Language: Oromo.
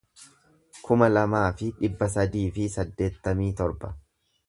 kuma lamaa fi dhibba sadii fi saddeettamii torba